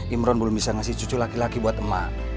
imron belum bisa ngasih cucu laki laki buat emak